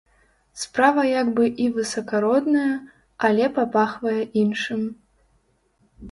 Справа як бы і высакародная, але папахвае іншым.